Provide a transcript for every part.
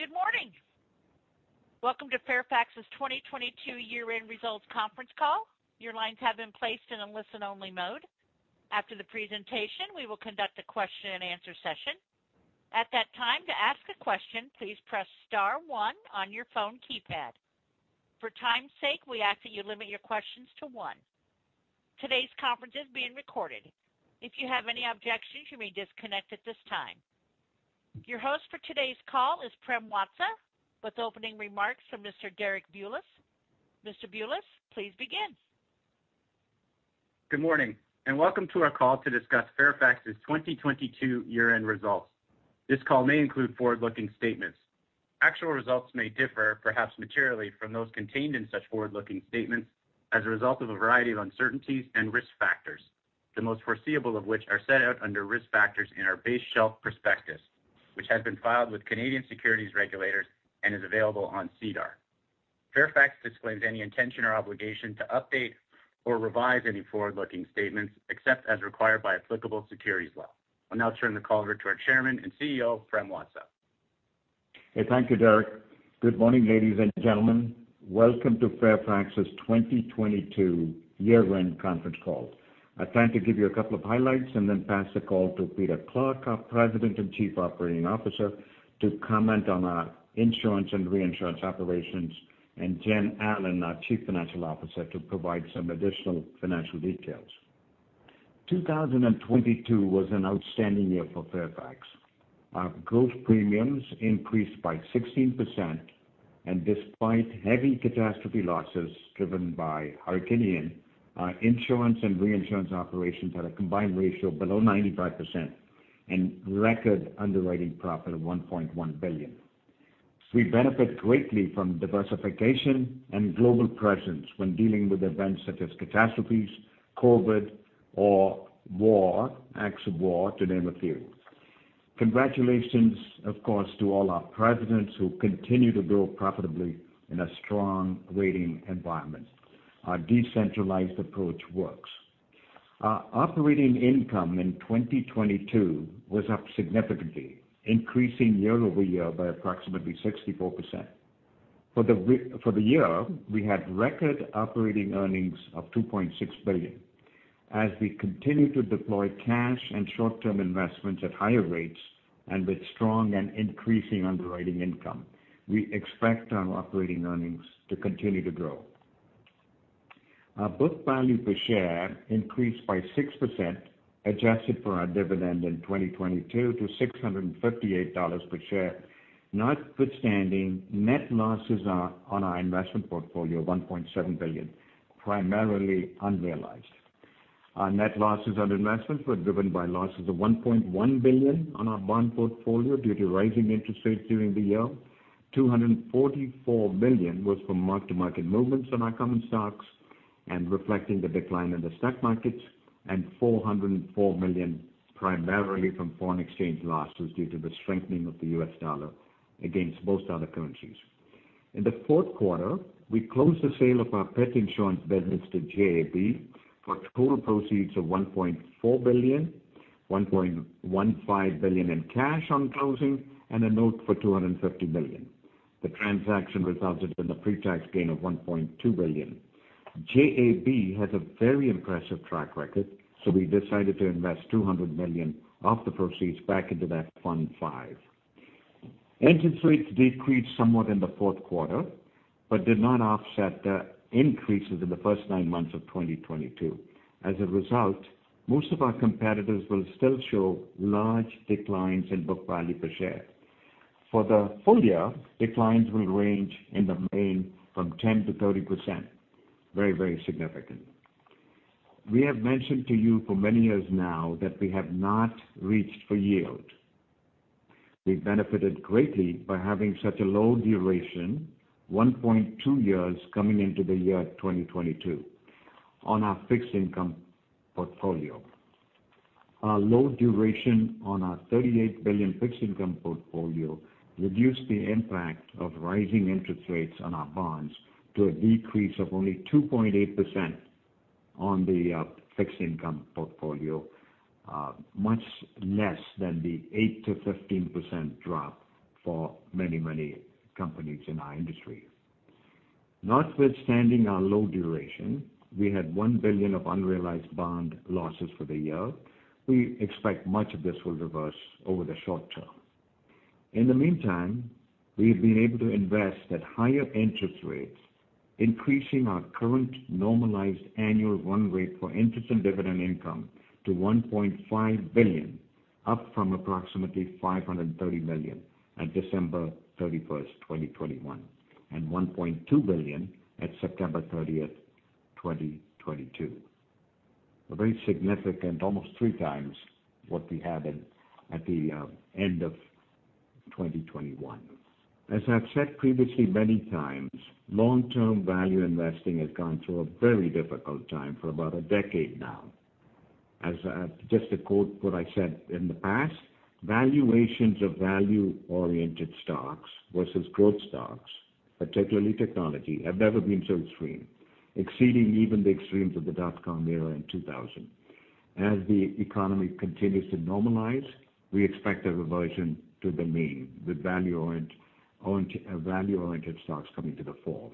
Good morning. Welcome to Fairfax's 2022 year-end results conference call. Your lines have been placed in a listen-only mode. After the presentation, we will conduct a question-and-answer session. At that time, to ask a question, please press star one on your phone keypad. For time's sake, we ask that you limit your questions to one. Today's conference is being recorded. If you have any objections, you may disconnect at this time. Your host for today's call is Prem Watsa, with opening remarks from Mr. Derek Bulas. Mr. Bulas, please begin. Good morning, welcome to our call to discuss Fairfax's 2022 year-end results. This call may include forward-looking statements. Actual results may differ, perhaps materially, from those contained in such forward-looking statements as a result of a variety of uncertainties and risk factors, the most foreseeable of which are set out under Risk Factors in our base shelf prospectus, which has been filed with Canadian Securities Administrators and is available on SEDAR. Fairfax disclaims any intention or obligation to update or revise any forward-looking statements, except as required by applicable securities law. I'll now turn the call over to our Chairman and CEO, Prem Watsa. Hey. Thank you, Derek. Good morning, ladies and gentlemen. Welcome to Fairfax's 2022 year-end conference call. I plan to give you a couple of highlights and then pass the call to Peter Clarke, our President and Chief Operating Officer, to comment on our insurance and reinsurance operations, and Jen Allen, our Chief Financial Officer, to provide some additional financial details. 2022 was an outstanding year for Fairfax. Our growth premiums increased by 16%. Despite heavy catastrophe losses driven by Hurricane Ian, our insurance and reinsurance operations had a combined ratio below 95% and record underwriting profit of $1.1 billion. We benefit greatly from diversification and global presence when dealing with events such as catastrophes, COVID, or war, acts of war, to name a few. Congratulations, of course, to all our presidents who continue to grow profitably in a strong rating environment. Our decentralized approach works. Our operating income in 2022 was up significantly, increasing year-over-year by approximately 64%. For the year, we had record operating earnings of $2.6 billion. We continue to deploy cash and short-term investments at higher rates and with strong and increasing underwriting income, we expect our operating earnings to continue to grow. Our book value per share increased by 6%, adjusted for our dividend in 2022 to $658 per share, notwithstanding net losses on our investment portfolio of $1.7 billion, primarily unrealized. Our net losses on investments were driven by losses of $1.1 billion on our bond portfolio due to rising interest rates during the year. $244 million was from mark-to-market movements on our common stocks reflecting the decline in the stock markets, $404 million primarily from foreign exchange losses due to the strengthening of the US dollar against most other currencies. In the fourth quarter, we closed the sale of our pet insurance business to JAB for total proceeds of $1.4 billion, $1.15 billion in cash on closing, and a note for $250 million. The transaction resulted in the pre-tax gain of $1.2 billion. JAB has a very impressive track record, we decided to invest $200 million of the proceeds back into that Fund 5. Interest rates decreased somewhat in the fourth quarter did not offset the increases in the first nine months of 2022. As a result, most of our competitors will still show large declines in book value per share. For the full year, declines will range in the main from 10%-30%. Very, very significant. We have mentioned to you for many years now that we have not reached for yield. We've benefited greatly by having such a low duration, 1.2 years coming into the year 2022 on our fixed income portfolio. Our low duration on our $38 billion fixed income portfolio reduced the impact of rising interest rates on our bonds to a decrease of only 2.8% on the fixed income portfolio, much less than the 8%-15% drop for many, many companies in our industry. Notwithstanding our low duration, we had $1 billion of unrealized bond losses for the year. We expect much of this will reverse over the short term. In the meantime, we've been able to invest at higher interest rates, increasing our current normalized annual run rate for interest and dividend income to $1.5 billion, up from approximately $530 million at December 31st, 2021, and $1.2 billion at September 30th, 2022. A very significant, almost three times what we had at the end of 2021. As I've said previously many times, long-term value investing has gone through a very difficult time for about a decade now. As just to quote what I said in the past, valuations of value-oriented stocks versus growth stocks, particularly technology, have never been so extreme, exceeding even the extremes of the dot-com era in 2000. The economy continues to normalize, we expect a reversion to the mean with value-oriented stocks coming to the fore.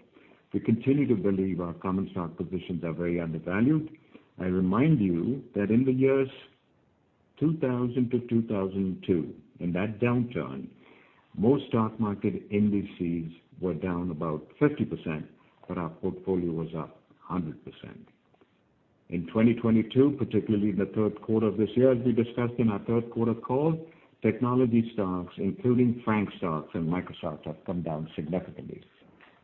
We continue to believe our common stock positions are very undervalued. I remind you that in the years 2000 to 2002, in that downturn, most stock market indices were down about 50%, but our portfolio was up 100%. In 2022, particularly in the third quarter of this year, as we discussed in our third quarter call, technology stocks, including FAANG stocks and Microsoft, have come down significantly.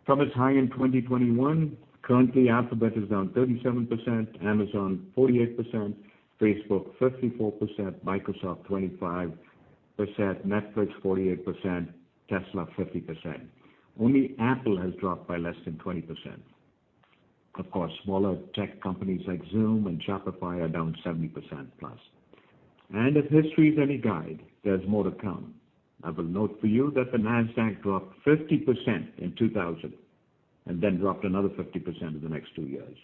From its high in 2021, currently Alphabet is down 37%, Amazon 48%, Facebook 54%, Microsoft 25%, Netflix 48%, Tesla 50%. Only Apple has dropped by less than 20%. Of course, smaller tech companies like Zoom and Shopify are down 70%+. If history is any guide, there's more to come. I will note for you that the Nasdaq dropped 50% in 2000 and then dropped another 50% in the next 2 years.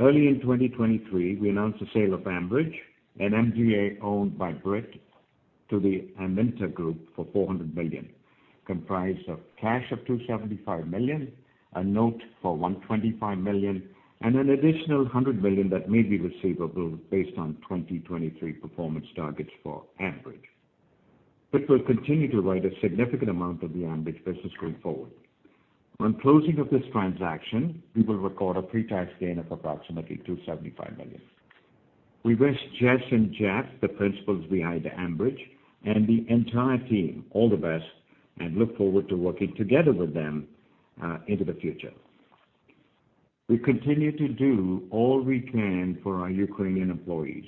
Early in 2023, we announced the sale of Ambridge, an MGA owned by Brit, to the Amynta Group for $400 million, comprised of cash of $275 million, a note for $125 million, and an additional $100 million that may be receivable based on 2023 performance targets for Ambridge. It will continue to write a significant amount of the Ambridge business going forward. On closing of this transaction, we will record a pre-tax gain of approximately $275 million. We wish Jess and Jeff, the principals behind Ambridge, and the entire team all the best and look forward to working together with them into the future. We continue to do all we can for our Ukrainian employees.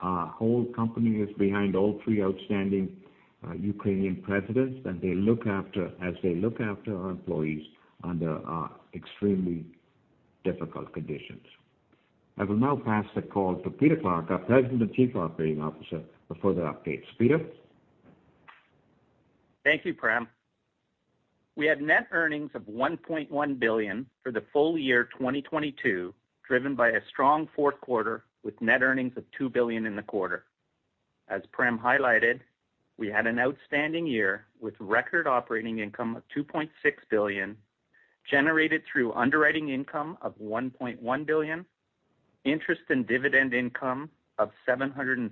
Our whole company is behind all three outstanding Ukrainian presidents, and as they look after our employees under extremely difficult conditions. I will now pass the call to Peter Clarke, our President and Chief Operating Officer, for further updates. Peter? Thank you, Prem. We had net earnings of $1.1 billion for the full year 2022, driven by a strong fourth quarter with net earnings of $2 billion in the quarter. As Prem highlighted, we had an outstanding year with record operating income of $2.6 billion, generated through underwriting income of $1.1 billion, interest and dividend income of $746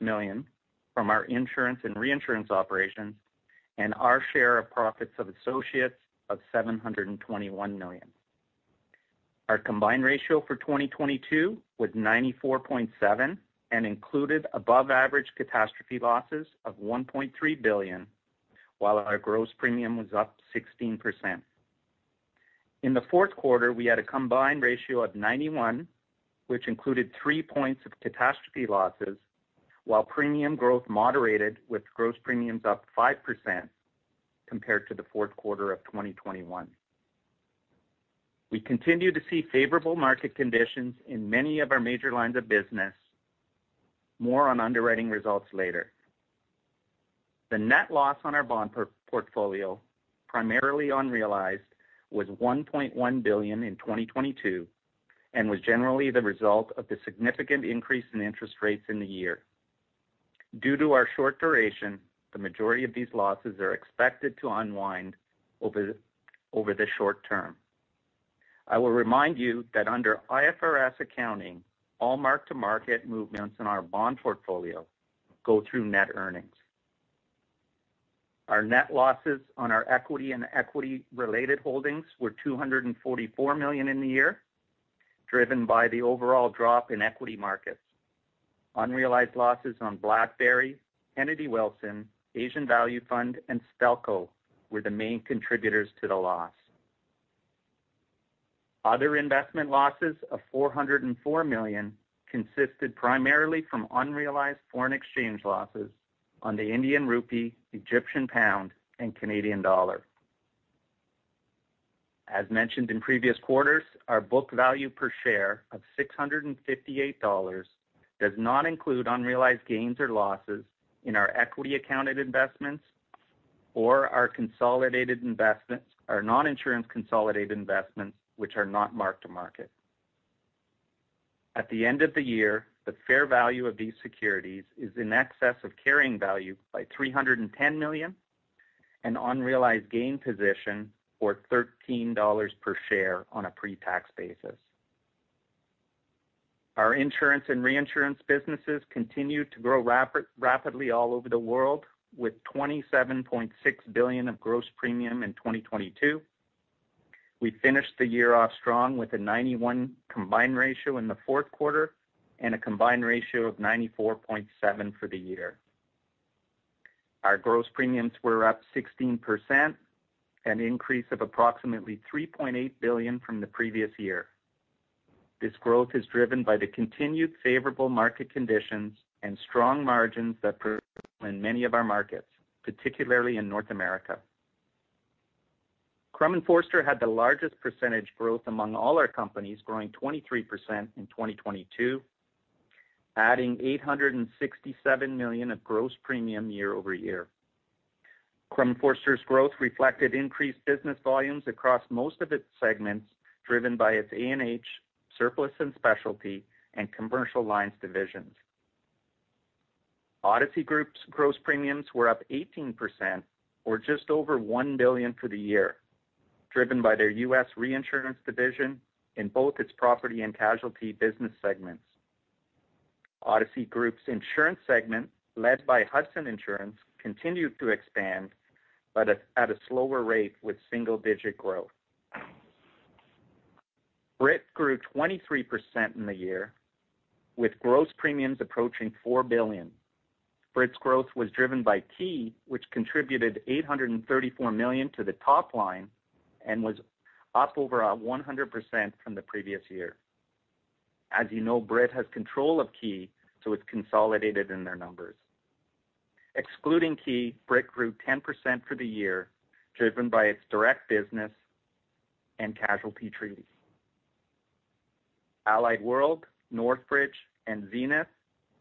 million from our insurance and reinsurance operations, and our share of profits of associates of $721 million. Our combined ratio for 2022 was 94.7 and included above average catastrophe losses of $1.3 billion, while our gross premium was up 16%. In the fourth quarter, we had a combined ratio of 91, which included three points of catastrophe losses, while premium growth moderated with gross premiums up 5% compared to the fourth quarter of 2021. We continue to see favorable market conditions in many of our major lines of business. More on underwriting results later. The net loss on our bond portfolio, primarily unrealized, was $1.1 billion in 2022 and was generally the result of the significant increase in interest rates in the year. Due to our short duration, the majority of these losses are expected to unwind over the short term. I will remind you that under IFRS accounting, all mark-to-market movements in our bond portfolio go through net earnings. Our net losses on our equity and equity-related holdings were $244 million in the year, driven by the overall drop in equity markets. Unrealized losses on BlackBerry, Kennedy Wilson, Asian Value Fund, and Stelco were the main contributors to the loss. Other investment losses of $404 million consisted primarily from unrealized foreign exchange losses on the Indian rupee, Egyptian pound, and Canadian dollar. As mentioned in previous quarters, our book value per share of $658 does not include unrealized gains or losses in our equity accounted investments or our consolidated investments, our non-insurance consolidated investments, which are not mark to market. At the end of the year, the fair value of these securities is in excess of carrying value by $310 million, an unrealized gain position, or $13 per share on a pre-tax basis. Our insurance and reinsurance businesses continue to grow rapidly all over the world, with $27.6 billion of gross premium in 2022. We finished the year off strong with a 91 combined ratio in the fourth quarter and a combined ratio of 94.7 for the year. Our gross premiums were up 16%, an increase of approximately $3.8 billion from the previous year. This growth is driven by the continued favorable market conditions and strong margins that persist in many of our markets, particularly in North America. Crum & Forster had the largest percentage growth among all our companies, growing 23% in 2022, adding $867 million of gross premium year-over-year. Crum & Forster's growth reflected increased business volumes across most of its segments, driven by its A&H surplus and specialty and commercial lines divisions. Odyssey Group's gross premiums were up 18% or just over $1 billion for the year, driven by their US reinsurance division in both its property and casualty business segments. Odyssey Group's insurance segment, led by Hudson Insurance, continued to expand, but at a slower rate with single-digit growth. Brit grew 23% in the year with gross premiums approaching $4 billion. Brit's growth was driven by Ki, which contributed $834 million to the top line and was up over 100% from the previous year. As you know, Brit has control of Ki, so it's consolidated in their numbers. Excluding Ki, Brit grew 10% for the year, driven by its direct business and casualty treaties. Allied World, Northbridge, and Zenith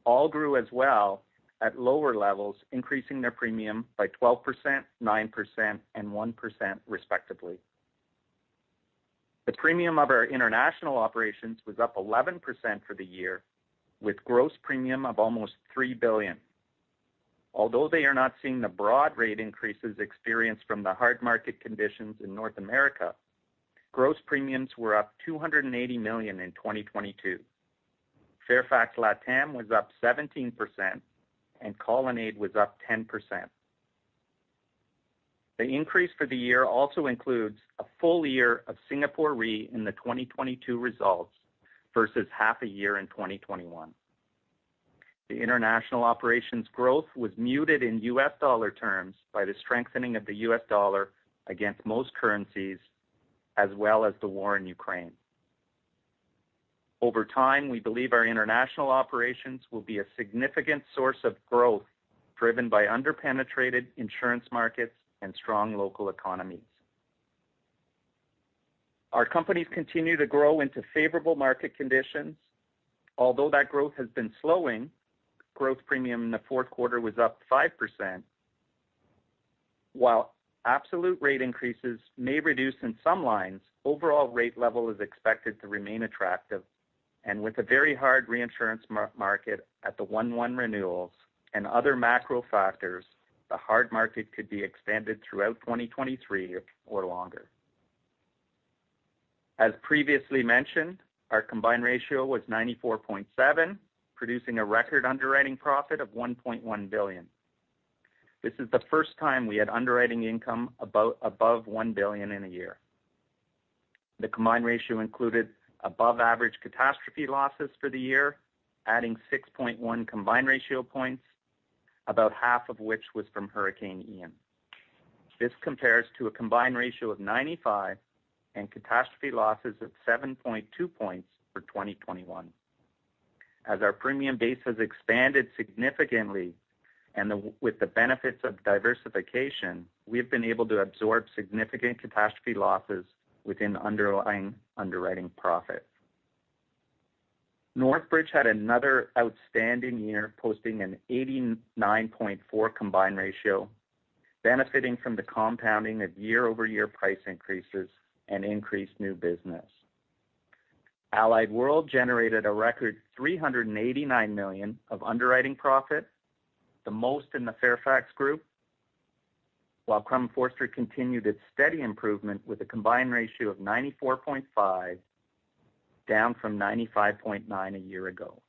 all grew as well at lower levels, increasing their premium by 12%, 9%, and 1% respectively. The premium of our international operations was up 11% for the year, with gross premium of almost $3 billion. Although they are not seeing the broad rate increases experienced from the hard market conditions in North America, gross premiums were up $280 million in 2022. Fairfax Latam was up 17%, and Colonnade was up 10%. The increase for the year also includes a full year of Singapore Re in the 2022 results versus half a year in 2021. The international operations growth was muted in US dollar terms by the strengthening of the US dollar against most currencies as well as the war in Ukraine. Over time, we believe our international operations will be a significant source of growth, driven by under-penetrated insurance markets and strong local economies. Our companies continue to grow into favorable market conditions. Although that growth has been slowing, growth premium in the fourth quarter was up 5%. While absolute rate increases may reduce in some lines, overall rate level is expected to remain attractive. With a very hard reinsurance market at the 1/1 renewals and other macro factors, the hard market could be extended throughout 2023 or longer. As previously mentioned, our combined ratio was 94.7, producing a record underwriting profit of $1.1 billion. This is the first time we had underwriting income above $1 billion in a year. The combined ratio included above-average catastrophe losses for the year, adding 6.1 combined ratio points, about half of which was from Hurricane Ian. This compares to a combined ratio of 95 and catastrophe losses of 7.2 points for 2021. As our premium base has expanded significantly with the benefits of diversification, we've been able to absorb significant catastrophe losses within underlying underwriting profit. Northbridge had another outstanding year, posting an 89.4 combined ratio, benefiting from the compounding of year-over-year price increases and increased new business. Allied World generated a record $389 million of underwriting profit, the most in the Fairfax group. Crum & Forster continued its steady improvement with a combined ratio of 94.5, down from 95.9 a year ago.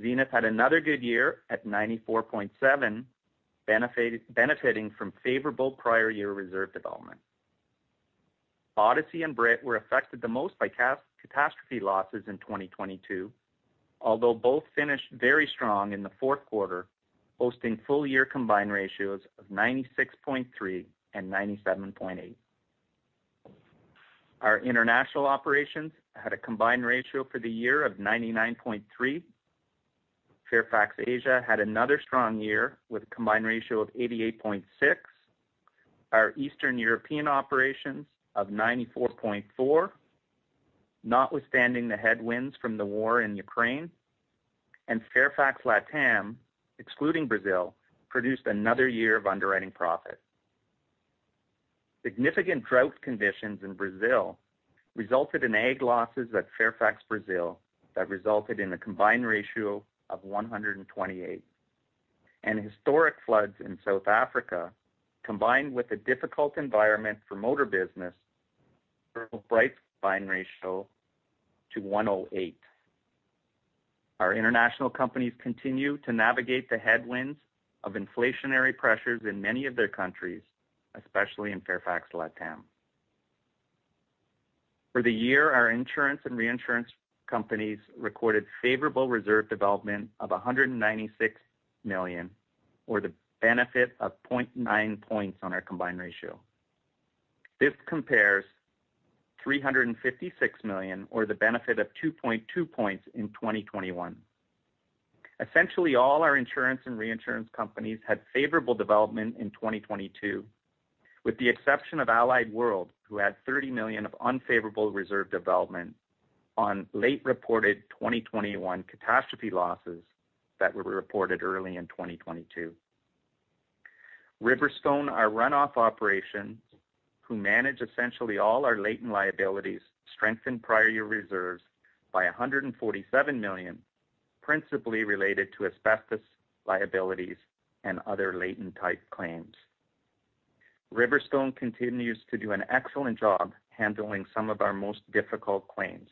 Zenith had another good year at 94.7, benefiting from favorable prior year reserve development. Odyssey and Brit were affected the most by catastrophe losses in 2022, although both finished very strong in the fourth quarter, posting full year combined ratios of 96.3 and 97.8. Our international operations had a combined ratio for the year of 99.3. Fairfax Asia had another strong year with a combined ratio of 88.6. Our Eastern European operations of 94.4, notwithstanding the headwinds from the war in Ukraine. Fairfax Latam, excluding Brazil, produced another year of underwriting profit. Significant drought conditions in Brazil resulted in ag losses at Fairfax Brazil that resulted in a combined ratio of 128. Historic floods in South Africa, combined with a difficult environment for motor business, drove Brit's combined ratio to 108. Our international companies continue to navigate the headwinds of inflationary pressures in many of their countries, especially in Fairfax Latam. For the year, our insurance and reinsurance companies recorded favorable reserve development of $196 million, or the benefit of 0.9 points on our combined ratio. This compares $356 million or the benefit of 2.2 points in 2021. Essentially all our insurance and reinsurance companies had favorable development in 2022. With the exception of Allied World, who had $30 million of unfavorable reserve development on late reported 2021 catastrophe losses that were reported early in 2022. RiverStone, our runoff operation, who manage essentially all our latent liabilities, strengthened prior year reserves by $147 million, principally related to asbestos liabilities and other latent type claims. RiverStone continues to do an excellent job handling some of our most difficult claims.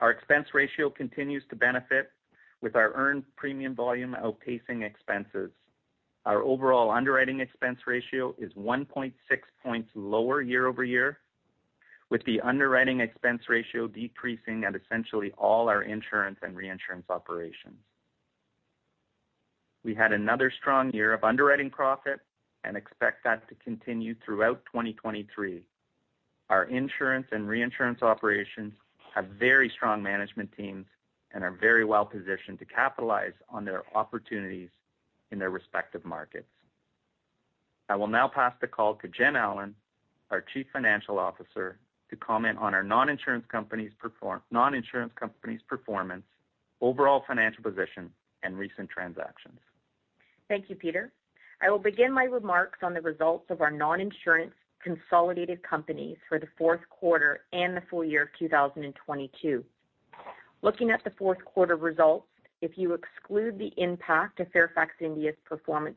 Our expense ratio continues to benefit with our earned premium volume outpacing expenses. Our overall underwriting expense ratio is 1.6 points lower year-over-year, with the underwriting expense ratio decreasing at essentially all our insurance and reinsurance operations. We had another strong year of underwriting profit and expect that to continue throughout 2023. Our insurance and reinsurance operations have very strong management teams and are very well-positioned to capitalize on their opportunities in their respective markets. I will now pass the call to Jen Allen, our Chief Financial Officer, to comment on our non-insurance companies' performance, overall financial position, and recent transactions. Thank you, Peter. I will begin my remarks on the results of our non-insurance consolidated companies for the fourth quarter and the full year of 2022. Looking at the fourth quarter results, if you exclude the impact of Fairfax India's performance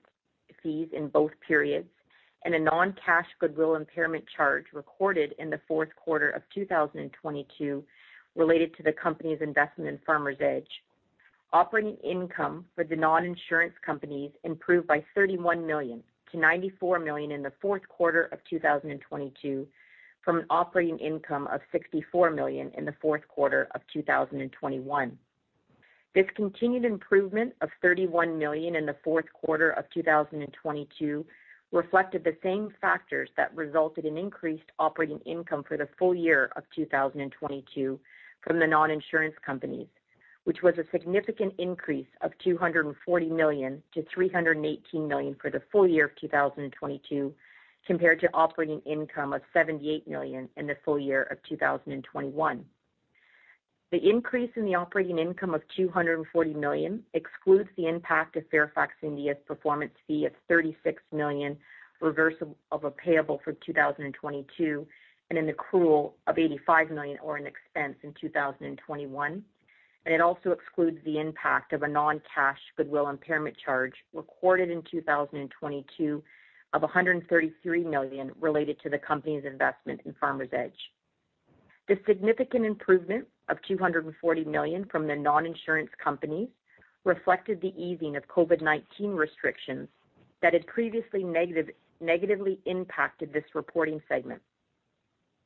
fees in both periods, and a non-cash goodwill impairment charge recorded in the fourth quarter of 2022 related to the company's investment in Farmers Edge. Operating income for the non-insurance companies improved by $31 million to $94 million in the fourth quarter of 2022 from an operating income of $64 million in the fourth quarter of 2021. This continued improvement of $31 million in the fourth quarter of 2022 reflected the same factors that resulted in increased operating income for the full year of 2022 from the non-insurance companies, which was a significant increase of $240 million to $318 million for the full year of 2022, compared to operating income of $78 million in the full year of 2021. The increase in the operating income of $240 million excludes the impact of Fairfax India's performance fee of $36 million reversal of a payable for 2022 and an accrual of $85 million, or an expense in 2021. It also excludes the impact of a non-cash goodwill impairment charge recorded in 2022 of $133 million related to the company's investment in Farmers Edge. The significant improvement of $240 million from the non-insurance companies reflected the easing of COVID-19 restrictions that had previously negatively impacted this reporting segment.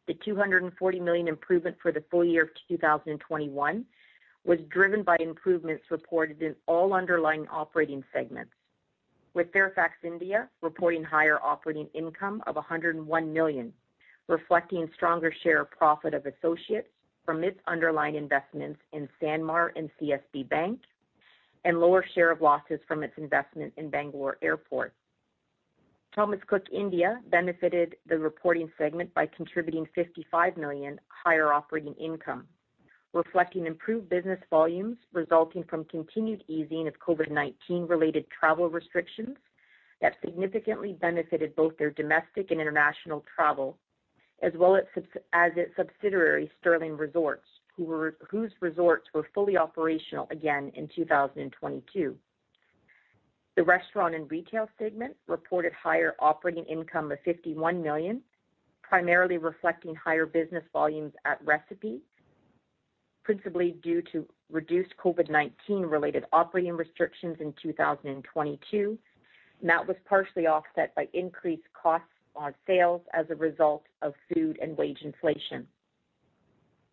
The $240 million improvement for the full year of 2021 was driven by improvements reported in all underlying operating segments, with Fairfax India reporting higher operating income of $101 million, reflecting stronger share of profit of associates from its underlying investments in Sanmar and CSB Bank, and lower share of losses from its investment in Bangalore Airport. Thomas Cook India benefited the reporting segment by contributing $55 million higher operating income, reflecting improved business volumes resulting from continued easing of COVID-19-related travel restrictions that significantly benefited both their domestic and international travel, as well as its subsidiary, Sterling Resorts, whose resorts were fully operational again in 2022. The restaurant and retail segment reported higher operating income of $51 million, primarily reflecting higher business volumes at Recipe, principally due to reduced COVID-19-related operating restrictions in 2022. That was partially offset by increased costs on sales as a result of food and wage inflation.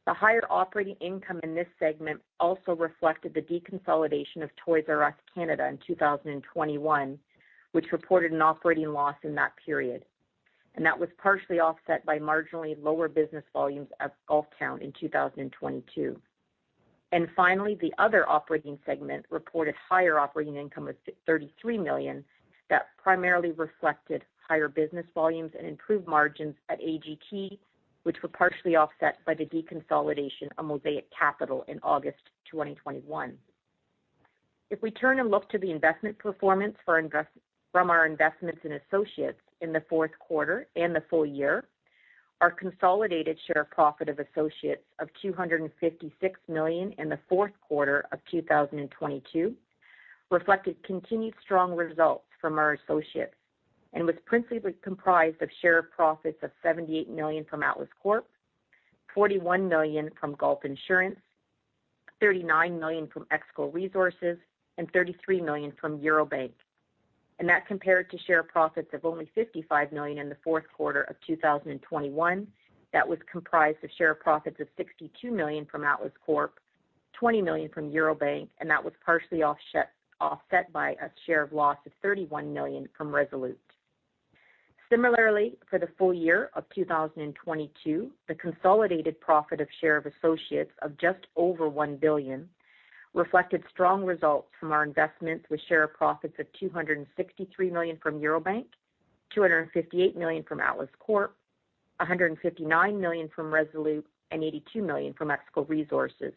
The higher operating income in this segment also reflected the deconsolidation of Toys R Us Canada in 2021, which reported an operating loss in that period. That was partially offset by marginally lower business volumes at Golf Town in 2022. Finally, the other operating segment reported higher operating income of $33 million that primarily reflected higher business volumes and improved margins at AGT, which were partially offset by the deconsolidation of Mosaic Capital in August 2021. If we turn and look to the investment performance from our investments in associates in the fourth quarter and the full year, our consolidated share profit of associates of $256 million in the fourth quarter of 2022 reflected continued strong results from our associates and was principally comprised of share profits of $78 million from Atlas Corp, $41 million from Gulf Insurance, $39 million from Exco Resources, and $33 million from Eurobank. That compared to share profits of only $55 million in the fourth quarter of 2021. That was comprised of share profits of $62 million from Atlas Corp., $20 million from Eurobank, and that was partially offset by a share of loss of $31 million from Resolute. Similarly, for the full year of 2022, the consolidated profit of share of associates of just over $1 billion reflected strong results from our investments with share profits of $263 million from Eurobank, $258 million from Atlas Corp., $159 million from Resolute, and $82 million from Eskom Resources.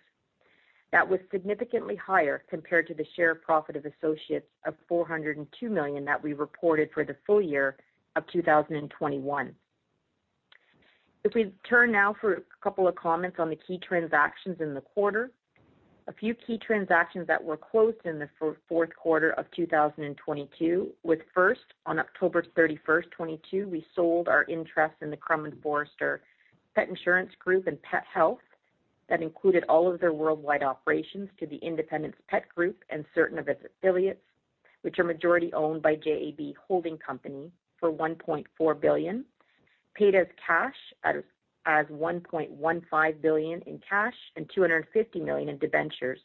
That was significantly higher compared to the share profit of associates of $402 million that we reported for the full year of 2021. If we turn now for a couple of comments on the key transactions in the quarter. A few key transactions that were closed in the fourth quarter of 2022, with first, on October 31, 2022, we sold our interest in the Crum & Forster Pet Insurance Group and Pethealth Inc. that included all of their worldwide operations to the Independence Pet Group and certain of its affiliates, which are majority owned by JAB Holding Company, for $1.4 billion, paid as cash, as $1.15 billion in cash and $250 million in debentures.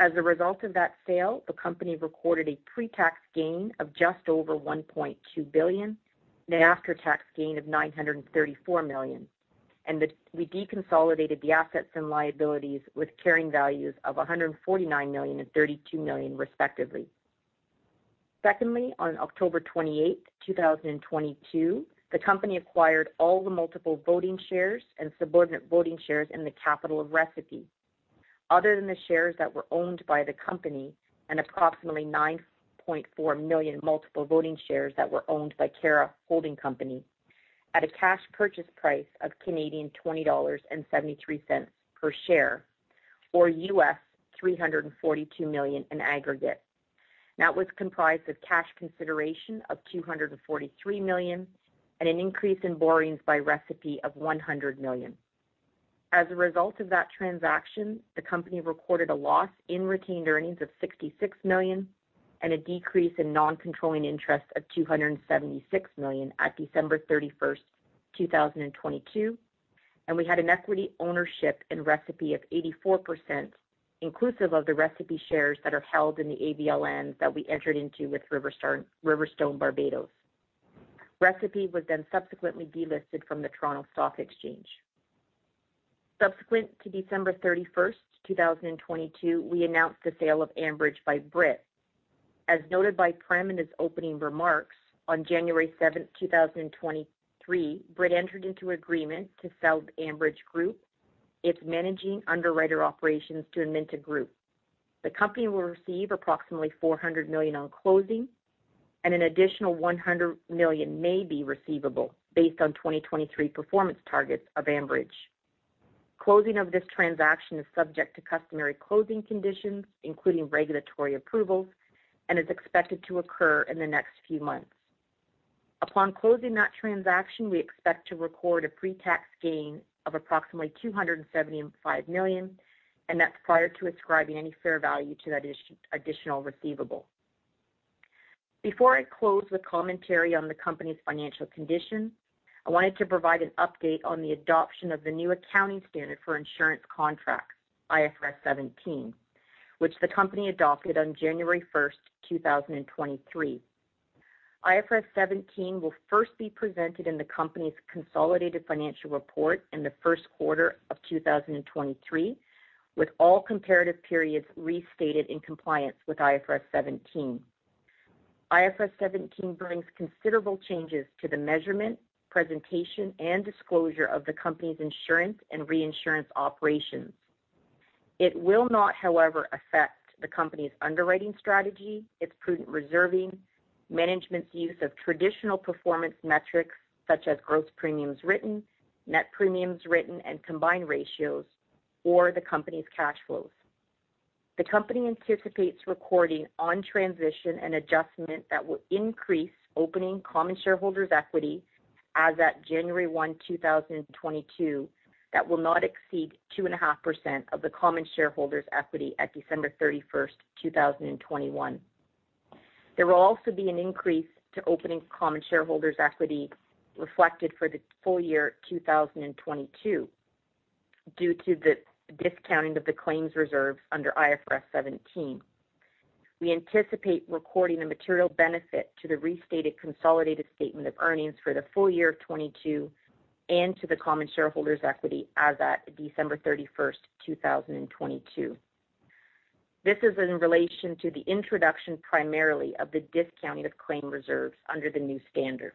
As a result of that sale, the company recorded a pre-tax gain of just over $1.2 billion and an after-tax gain of $934 million. We deconsolidated the assets and liabilities with carrying values of $149 million and $32 million, respectively. Secondly, on October 28, 2022, the company acquired all the multiple voting shares and subordinate voting shares in the capital of Recipe. Other than the shares that were owned by the company and approximately 9.4 million multiple voting shares that were owned by Cara Holdings Company at a cash purchase price of 20.73 Canadian dollars per share or 342 million US dollars in aggregate. That was comprised of cash consideration of $243 million and an increase in borrowings by Recipe of $100 million. As a result of that transaction, the company reported a loss in retained earnings of $66 million and a decrease in non-controlling interest of $276 million at December 31st, 2022, and we had an equity ownership in Recipe of 84%, inclusive of the Recipe shares that are held in the ABLN that we entered into with RiverStone Barbados. Recipe was then subsequently delisted from the Toronto Stock Exchange. Subsequent to December 31st, 2022, we announced the sale of Ambridge by Brit. As noted by Prem in his opening remarks, on January 7th, 2023, Brit entered into agreement to sell the Ambridge Group, its managing underwriter operations to Amynta Group. The company will receive approximately $400 million on closing, and an additional $100 million may be receivable based on 2023 performance targets of Ambridge. Closing of this transaction is subject to customary closing conditions, including regulatory approvals, and is expected to occur in the next few months. Upon closing that transaction, we expect to record a pre-tax gain of approximately $275 million, and that's prior to ascribing any fair value to that additional receivable. Before I close with commentary on the company's financial condition, I wanted to provide an update on the adoption of the new accounting standard for insurance contracts, IFRS 17, which the company adopted on January 1st, 2023. IFRS 17 will first be presented in the company's consolidated financial report in the first quarter of 2023, with all comparative periods restated in compliance with IFRS 17. IFRS 17 brings considerable changes to the measurement, presentation, and disclosure of the company's insurance and reinsurance operations. It will not, however, affect the company's underwriting strategy, its prudent reserving, management's use of traditional performance metrics such as gross premiums written, net premiums written, and combined ratios, or the company's cash flows. The company anticipates recording on transition an adjustment that will increase opening common shareholders' equity as at January 1, 2022, that will not exceed 2.5% of the common shareholders' equity at December 31st, 2021. There will also be an increase to opening common shareholders' equity reflected for the full year 2022 due to the discounting of the claims reserves under IFRS 17. We anticipate recording a material benefit to the restated consolidated statement of earnings for the full year of 2022 and to the common shareholders' equity as at December 31st, 2022. This is in relation to the introduction primarily of the discounting of claim reserves under the new standard.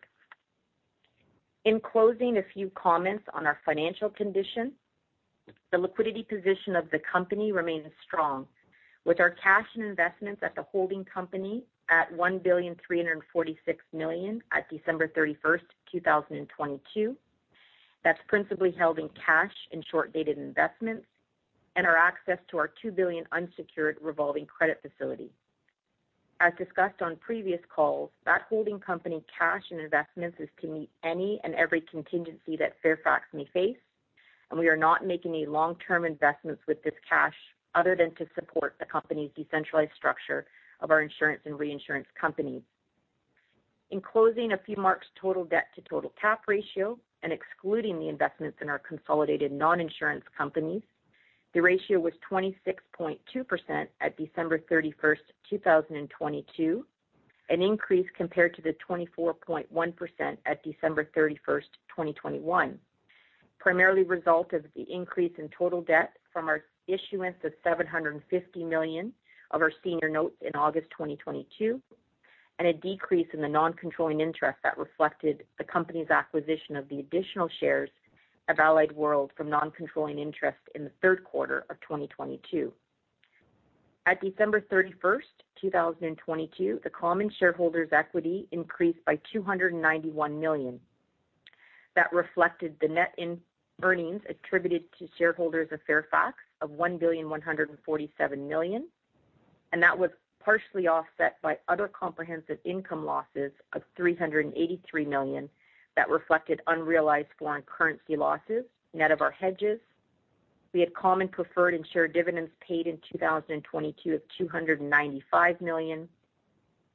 In closing, a few comments on our financial condition. The liquidity position of the company remains strong with our cash and investments at the holding company at $1.346 billion at December 31st, 2022. That's principally held in cash and short-dated investments and our access to our $2 billion unsecured revolving credit facility. As discussed on previous calls, that holding company cash and investments is to meet any and every contingency that Fairfax may face, and we are not making any long-term investments with this cash other than to support the company's decentralized structure of our insurance and reinsurance companies. In closing, a few marks total debt to total cap ratio and excluding the investments in our consolidated non-insurance companies, the ratio was 26.2% at December 31, 2022, an increase compared to the 24.1% at December 31, 2021. Primarily result of the increase in total debt from our issuance of $750 million of our senior notes in August 2022, and a decrease in the non-controlling interest that reflected the company's acquisition of the additional shares of Allied World from non-controlling interest in the third quarter of 2022. At December 31st, 2022, the common shareholders' equity increased by $291 million. That reflected the net earnings attributed to shareholders of Fairfax of $1.147 billion, and that was partially offset by other comprehensive income losses of $383 million that reflected unrealized foreign currency losses net of our hedges. We had common preferred and share dividends paid in 2022 of $295 million,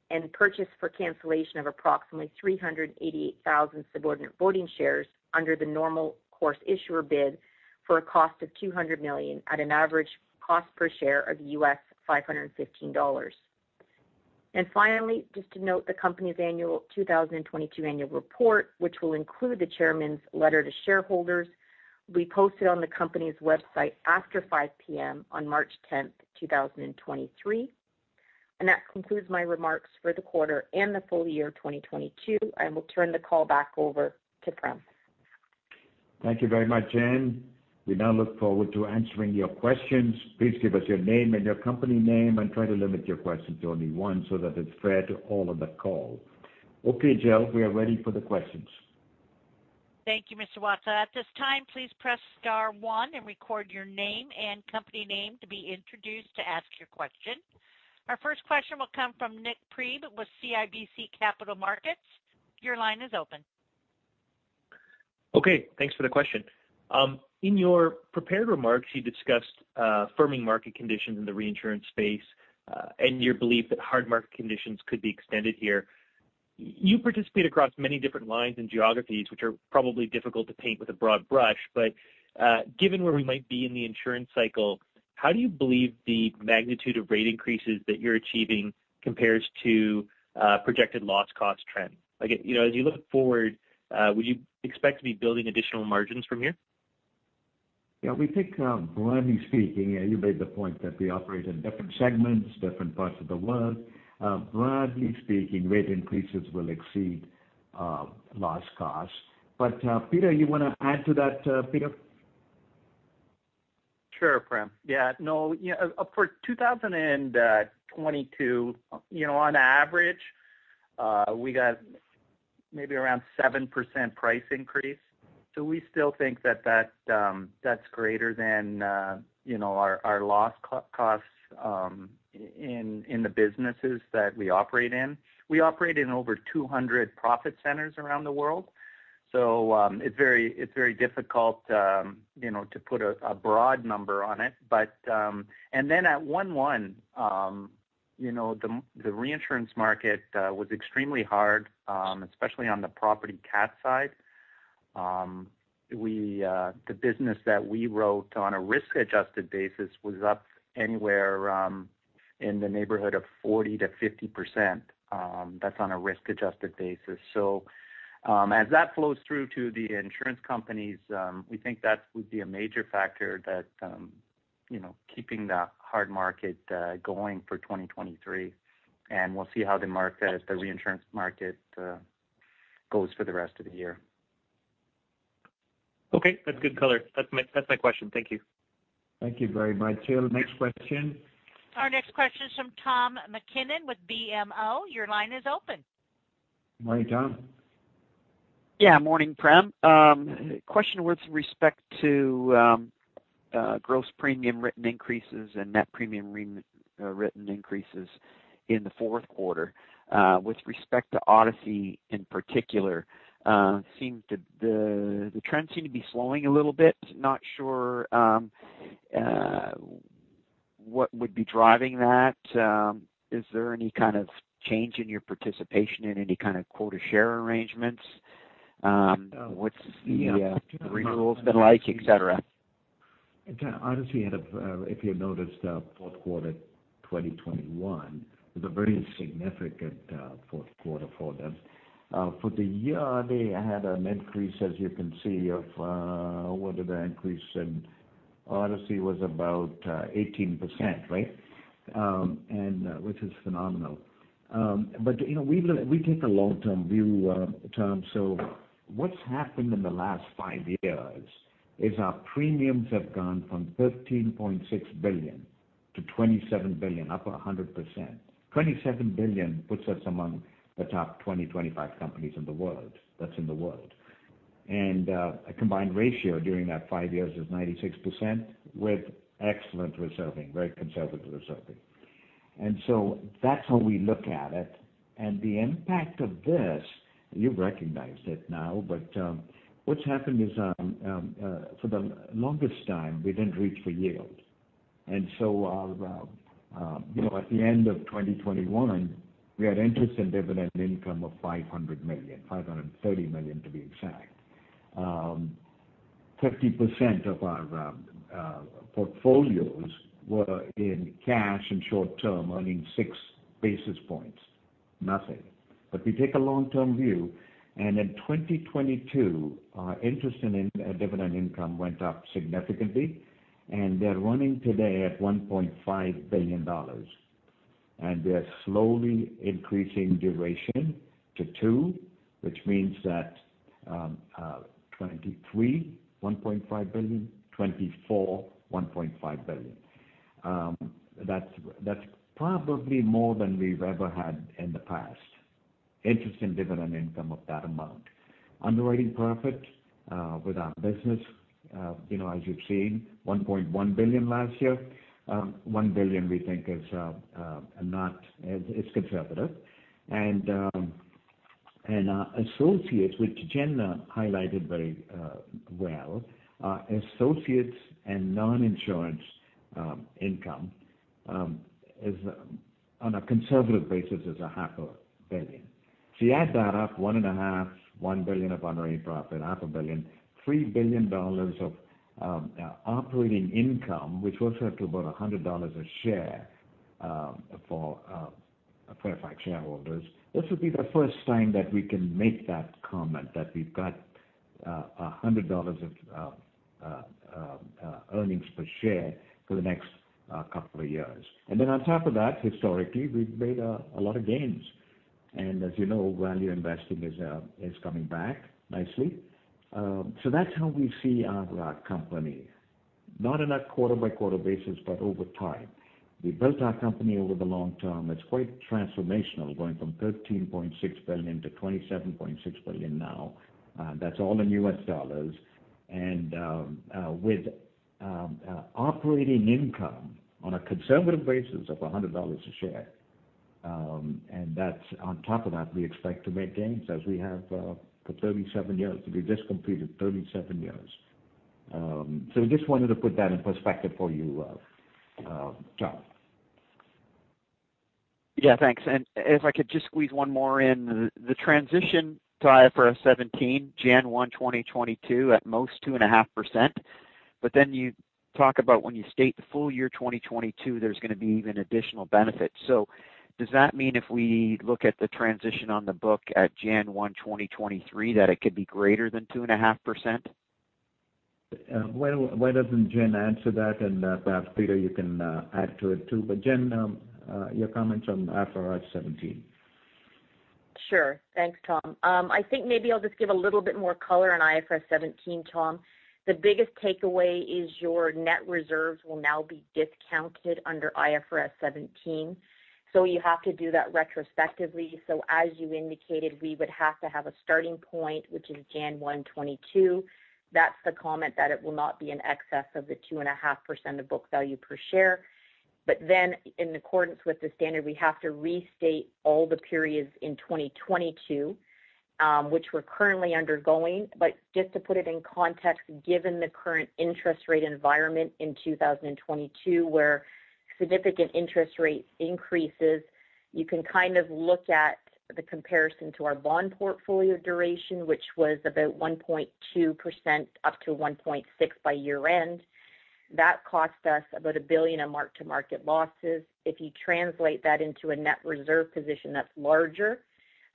and purchase for cancellation of approximately 388,000 subordinate voting shares under the normal course issuer bid for a cost of $200 million at an average cost per share of $515. Finally, just to note the company's 2022 annual report, which will include the chairman's letter to shareholders, will be posted on the company's website after 5:00 P.M. on March 10th, 2023. That concludes my remarks for the quarter and the full year 2022. I will turn the call back over to Prem. Thank you very much, Jen. We now look forward to answering your questions. Please give us your name and your company name, and try to limit your questions to only one so that it's fair to all on the call. Okay, Jill, we are ready for the questions. Thank you, Mr. Watsa. At this time, please press star one and record your name and company name to be introduced to ask your question. Our first question will come from Nik Priebe with CIBC Capital Markets. Your line is open. Okay, thanks for the question. In your prepared remarks, you discussed firming market conditions in the reinsurance space, and your belief that hard market conditions could be extended here. You participate across many different lines and geographies, which are probably difficult to paint with a broad brush. Given where we might be in the insurance cycle, how do you believe the magnitude of rate increases that you're achieving compares to projected loss cost trend? Like, you know, as you look forward, would you expect to be building additional margins from here? Yeah. We think, broadly speaking, you made the point that we operate in different segments, different parts of the world. Broadly speaking, rate increases will exceed, loss costs. Peter, you wanna add to that, Peter? Sure, Prem. No, for 2022, you know, on average, we got maybe around 7% price increase. We still think that that's greater than, you know, our loss costs in the businesses that we operate in. We operate in over 200 profit centers around the world, it's very, it's very difficult, you know, to put a broad number on it. At 1/1, you know, the reinsurance market was extremely hard, especially on the property cat side. We, the business that we wrote on a risk-adjusted basis was up anywhere in the neighborhood of 40%-50%. That's on a risk-adjusted basis. As that flows through to the insurance companies, we think that would be a major factor that, you know, keeping the hard market going for 2023, and we'll see how the market, the reinsurance market, goes for the rest of the year. Okay, that's good color. That's my question. Thank you. Thank you very much, Jill. Next question. Our next question is from Tom MacKinnon with BMO. Your line is open. Morning, Tom. Yeah, morning, Prem. Question with respect to gross premium written increases and net premium written increases in the fourth quarter. With respect to Odyssey in particular, seemed the trends seem to be slowing a little bit. Not sure what would be driving that. Is there any kind of change in your participation in any kind of quota share arrangements? What's the renewals been like, et cetera? Odyssey had, if you noticed, fourth quarter 2021, it was a very significant fourth quarter for them. For the year, they had an increase, as you can see, of what did they increase in, Odyssey was about 18%, right? Which is phenomenal. You know, we take a long-term view, Tom. What's happened in the last 5 years is our premiums have gone from $13.6 billion to $27 billion, up 100%. $27 billion puts us among the top 20-25 companies in the world. That's in the world. A combined ratio during that 5 years is 96% with excellent reserving, very conservative reserving. That's how we look at it. The impact of this, you've recognized it now, but what's happened is for the longest time, we didn't reach for yield. Our, you know, at the end of 2021, we had interest in dividend income of $500 million, $530 million to be exact. 50% of our portfolios were in cash and short-term, earning six basis points. Nothing. We take a long-term view, and in 2022, our interest and dividend income went up significantly, and they're running today at $1.5 billion. They're slowly increasing duration to two, which means that, 2023, $1.5 billion, 2024, $1.5 billion. That's probably more than we've ever had in the past, interest and dividend income of that amount. Underwriting profit, with our business, you know, as you've seen, $1.1 billion last year. $1 billion we think is conservative. Our associates, which Jen highlighted very well, associates and non-insurance income, is on a conservative basis is $500 million. If you add that up, $1.5 billion, $1 billion of underwriting profit, $500 million, $3 billion of operating income, which works out to about $100 a share for Fairfax shareholders. This will be the first time that we can make that comment that we've got $100 of earnings per share for the next couple of years. On top of that, historically, we've made a lot of gains. As you know, value investing is coming back nicely. That's how we see our company, not in a quarter-by-quarter basis, but over time. We built our company over the long term. It's quite transformational, going from $13.6 billion to $27.6 billion now. That's all in US dollars. With operating income on a conservative basis of $100 a share, and that's on top of that, we expect to make gains as we have for 37 years. We just completed 37 years. We just wanted to put that in perspective for you, Tom. Yeah, thanks. If I could just squeeze one more in. The transition to IFRS 17, January 1, 2022 at most 2.5%. You talk about when you state the full year 2022, there's gonna be even additional benefits. Does that mean if we look at the transition on the book at January 1, 2023, that it could be greater than 2.5%? Why doesn't Jen answer that? Perhaps, Peter, you can add to it too. Jen, your comments on IFRS 17. Sure. Thanks, Tom. I think maybe I'll just give a little bit more color on IFRS 17, Tom. The biggest takeaway is your net reserves will now be discounted under IFRS 17, so you have to do that retrospectively. As you indicated, we would have to have a starting point, which is January 1, 2022. That's the comment that it will not be in excess of the 2.5% of book value per share. In accordance with the standard, we have to restate all the periods in 2022, which we're currently undergoing. Just to put it in context, given the current interest rate environment in 2022, where significant interest rates increases, you can kind of look at the comparison to our bond portfolio duration, which was about 1.2%, up to 1.6% by year-end. That cost us about $1 billion in mark-to-market losses. If you translate that into a net reserve position that's larger,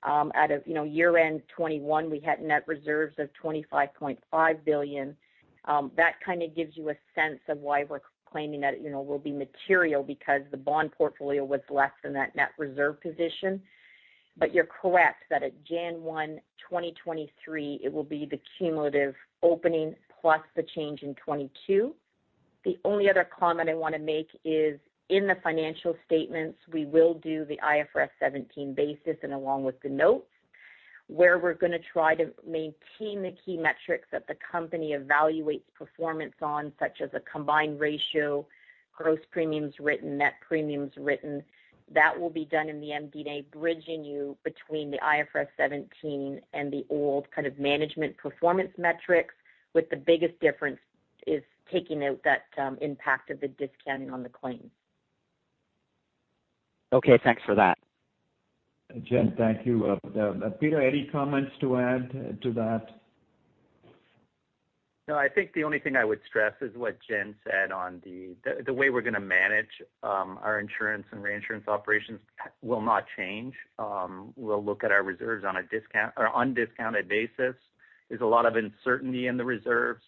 out of, you know, year-end 2021, we had net reserves of $25.5 billion. That kind of gives you a sense of why we're claiming that, you know, we'll be material because the bond portfolio was less than that net reserve position. You're correct that at January 1, 2023, it will be the cumulative opening plus the change in 2022. The only other comment I wanna make is in the financial statements, we will do the IFRS 17 basis and along with the notes, where we're gonna try to maintain the key metrics that the company evaluates performance on, such as a combined ratio, gross premiums written, net premiums written. That will be done in the MD&A, bridging you between the IFRS 17 and the old kind of management performance metrics, with the biggest difference is taking out that, impact of the discounting on the claims. Okay, thanks for that. Jen, thank you. Peter, any comments to add to that? I think the only thing I would stress is what Jen said the way we're gonna manage our insurance and reinsurance operations will not change. We'll look at our reserves on an undiscounted basis. There's a lot of uncertainty in the reserves,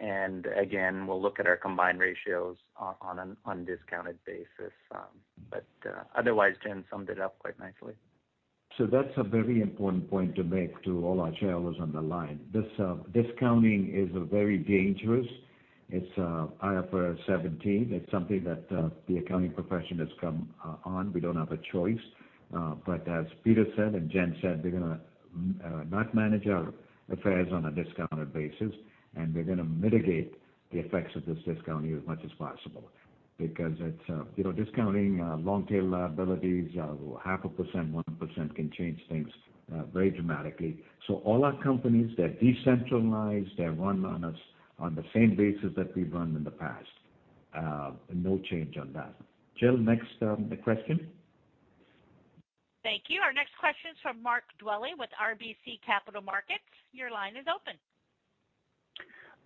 again, we'll look at our combined ratios on an undiscounted basis. Otherwise, Jen summed it up quite nicely. That's a very important point to make to all our shareholders on the line. This discounting is a very dangerous. It's IFRS 17. It's something that the accounting profession has come on. We don't have a choice. As Peter said and Jen said, we're gonna not manage our affairs on a discounted basis, and we're gonna mitigate the effects of this discounting as much as possible because it's, you know, discounting long tail liabilities of 0.5%, 1% can change things very dramatically. All our companies, they're decentralized. They're run on us on the same basis that we've run in the past. No change on that. Jill, next question. Thank you. Our next question is from Mark Dwelle with RBC Capital Markets. Your line is open.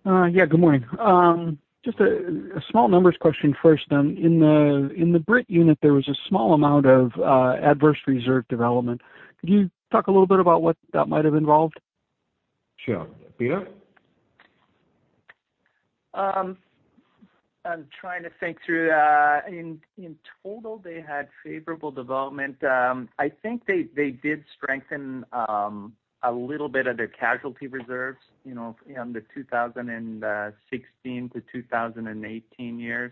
Yeah, good morning. Just a small numbers question first then. In the Brit unit, there was a small amount of adverse reserve development. Could you talk a little bit about what that might have involved? Sure. Peter? I'm trying to think through that. In total, they had favorable development. I think they did strengthen a little bit of their casualty reserves, you know, in the 2016 to 2018 years.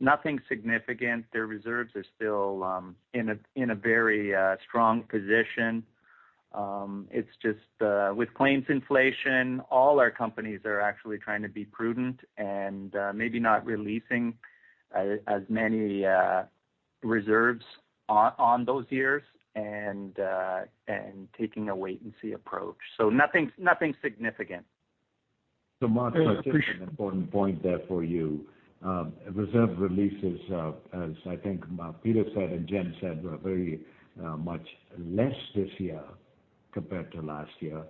Nothing significant. Their reserves are still in a very strong position. It's just with claims inflation, all our companies are actually trying to be prudent and maybe not releasing as many reserves on those years and taking a wait and see approach. Nothing significant. I appreciate. Mark, just an important point there for you. Reserve releases, as I think Peter said and Jen said, were very much less this year compared to last year.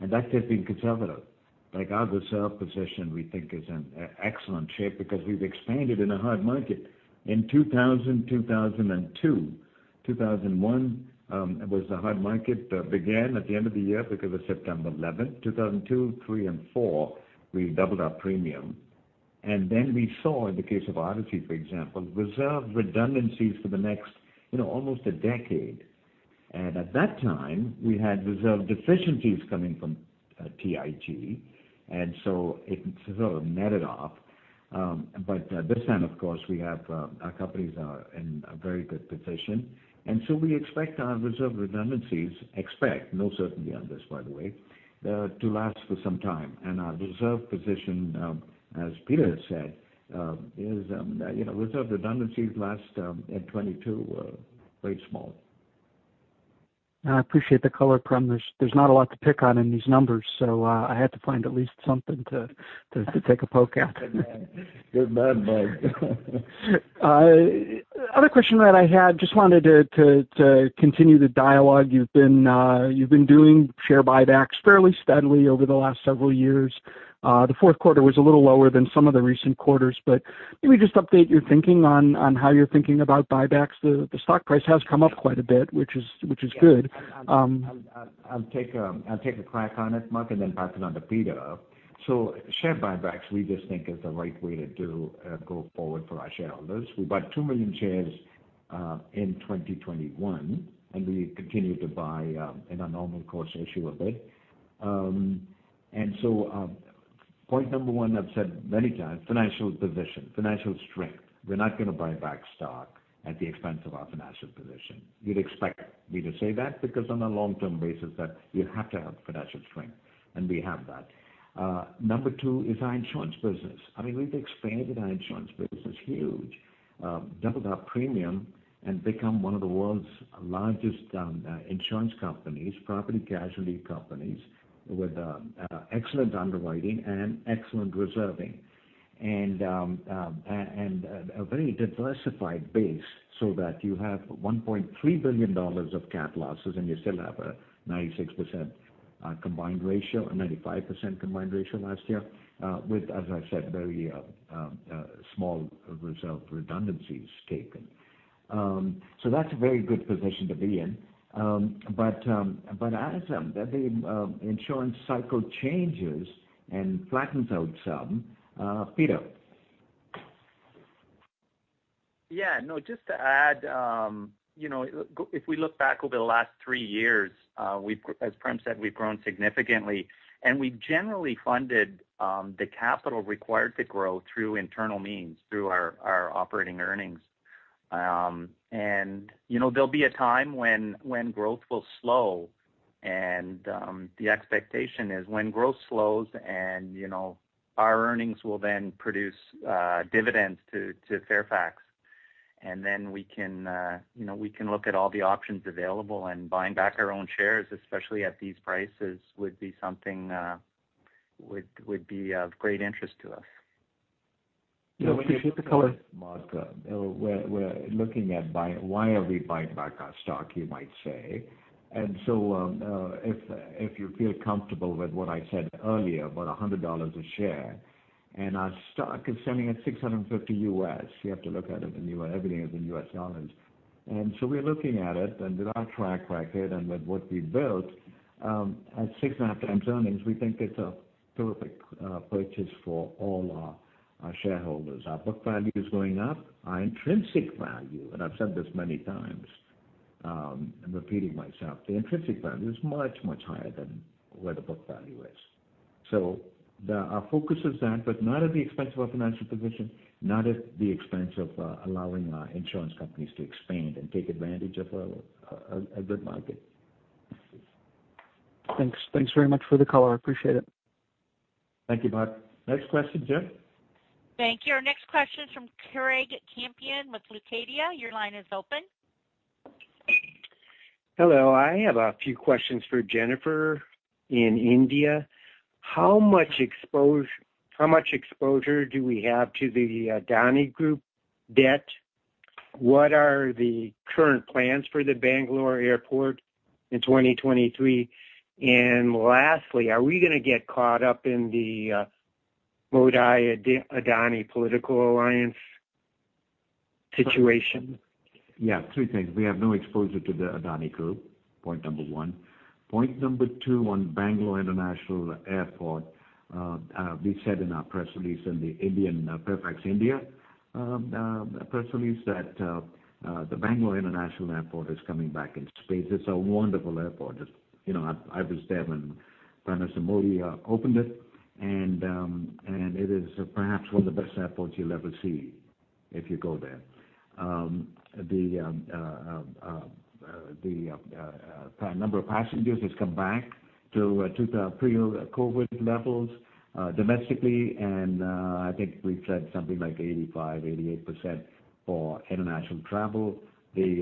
That has been conservative. Like, our reserve position, we think is in excellent shape because we've expanded in a hard market. In 2001 was the hard market began at the end of the year because of 9/11. 2002, 2003, and 2004, we doubled our premium. We saw in the case of Odyssey Group, for example, reserve redundancies for the next, you know, almost a decade. At that time, we had reserve deficiencies coming from TIG. It sort of netted off. This time of course, we have our companies are in a very good position. We expect our reserve redundancies, no certainty on this, by the way, to last for some time. Our reserve position, as Peter has said, you know, reserve redundancies last at 2022, very small. I appreciate the color, Prem. There's not a lot to pick on in these numbers, so I had to find at least something to take a poke at. Good man Mark. Other question that I had, just wanted to continue the dialogue. You've been doing share buybacks fairly steadily over the last several years. The fourth quarter was a little lower than some of the recent quarters. Maybe just update your thinking on how you're thinking about buybacks. The stock price has come up quite a bit, which is good. Yeah. I'll take a crack on it, Mark, then pass it on to Peter. Share buybacks, we just think is the right way to do go forward for our shareholders. We bought 2 million shares in 2021, we continue to buy in our normal course issuer bid. Point number one, I've said many times, financial position, financial strength. We're not going to buy back stock at the expense of our financial position. You'd expect me to say that because on a long-term basis that you have to have financial strength, and we have that. Number two is our insurance business. I mean, we've expanded our insurance business huge. Doubled our premium and become one of the world's largest insurance companies, property casualty companies with excellent underwriting and excellent reserving. And a very diversified base so that you have $1.3 billion of cat losses, and you still have a 96% combined ratio, a 95% combined ratio last year, with, as I said, very small reserve redundancies taken. So that's a very good position to be in. But as the insurance cycle changes and flattens out some, Peter. Yeah, no, just to add, you know, if we look back over the last three years, as Prem said, we've grown significantly, and we generally funded the capital required to grow through internal means, through our operating earnings. You know, there'll be a time when growth will slow and the expectation is when growth slows and, you know, our earnings will then produce dividends to Fairfax. We can, you know, we can look at all the options available and buying back our own shares, especially at these prices, would be something would be of great interest to us. Yeah, appreciate the color. When you look at this, Mark, we're looking at why are we buying back our stock, you might say. If you feel comfortable with what I said earlier about $100 a share, and our stock is standing at $650 U.S., you have to look at it in everything is in U.S. dollars. We're looking at it and with our track record and with what we've built, at 6.5x earnings, we think it's a perfect purchase for all our shareholders. Our book value is going up. Our intrinsic value, and I've said this many times, I'm repeating myself, the intrinsic value is much higher than where the book value is. Our focus is that, but not at the expense of our financial position, not at the expense of allowing our insurance companies to expand and take advantage of a good market. Thanks. Thanks very much for the color. I appreciate it. Thank you, Mark. Next question, Jill. Thank you. Our next question is from [Craig Campion] with Leucadia. Your line is open. Hello. I have a few questions for Jennifer in India. How much exposure do we have to the Adani Group debt? What are the current plans for the Bangalore Airport in 2023? Lastly, are we gonna get caught up in the Modi-Adani political alliance situation? Three things. We have no exposure to the Adani Group, point number one. Point number two, on Bangalore International Airport, we said in our press release in the Indian, Fairfax India, press release that the Bangalore International Airport is coming back in space. It's a wonderful airport. It's, you know, I was there when Prime Minister Modi opened it, and it is perhaps one of the best airports you'll ever see if you go there. The number of passengers has come back to the pre-COVID levels, domestically. I think we've said something like 85%-88% for international travel. The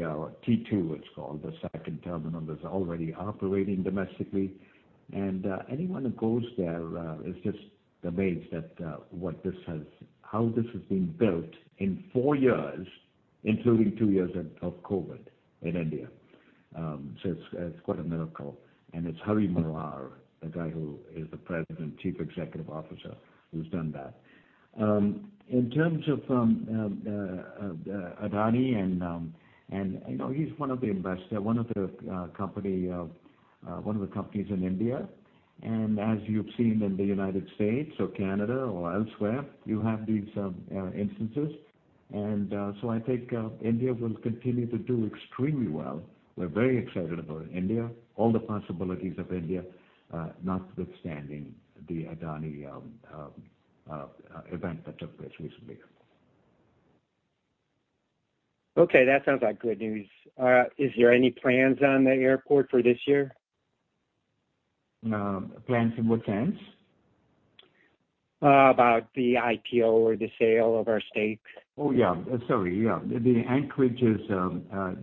T2 it's called, the second terminal, is already operating domestically. Anyone who goes there is just amazed at how this has been built in four years, including two years of COVID in India. It's quite a miracle. It's Hari Marar, the guy who is the president chief executive officer, who's done that. In terms of Adani and you know, he's one of the investor, one of the company, one of the companies in India. As you've seen in the United States or Canada or elsewhere, you have these instances. I think India will continue to do extremely well. We're very excited about India, all the possibilities of India, notwithstanding the Adani event that took place recently. Okay, that sounds like good news. Is there any plans on the airport for this year? Plans in what sense? About the IPO or the sale of our stake. Oh, yeah. Sorry, yeah. The Anchorage is a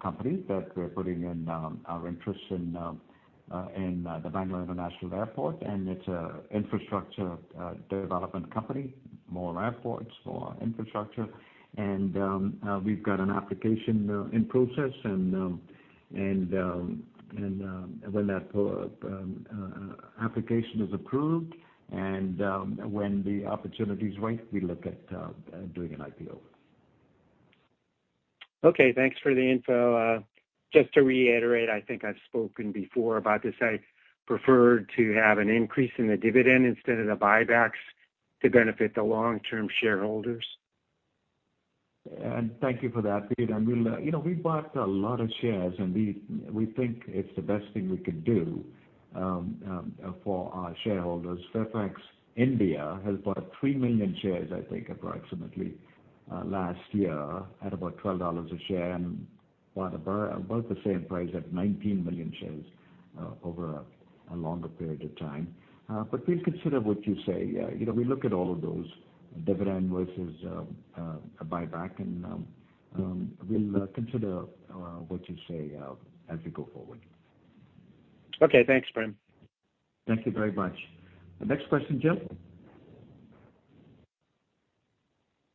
company that we're putting in our interest in the Bangalore International Airport, and it's a infrastructure development company, more airports, more infrastructure. We've got an application in process and when that application is approved and when the opportunity is right, we look at doing an IPO. Okay, thanks for the info. Just to reiterate, I think I've spoken before about this. I prefer to have an increase in the dividend instead of the buybacks to benefit the long-term shareholders. Thank you for that, Peter. We'll, you know, we bought a lot of shares, and we think it's the best thing we could do for our shareholders. Fairfax India has bought 3 million shares, I think approximately, last year at about $12 a share and bought about the same price at 19 million shares over a longer period of time. We'll consider what you say. You know, we look at all of those dividend versus a buyback, and we'll consider what you say as we go forward. Okay, thanks, Prem. Thank you very much. Next question, Jill.